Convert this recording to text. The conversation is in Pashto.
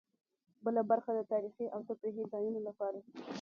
بله برخه د تاريخي او تفريحي ځایونو لپاره.